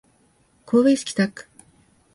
神戸市北区